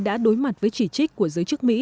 đã đối mặt với chỉ trích của giới chức mỹ